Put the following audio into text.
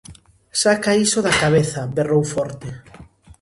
-Saca iso da cabeza! -berrou forte.